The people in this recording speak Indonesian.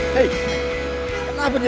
kau mencari hatiku